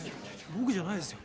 僕じゃないですよ。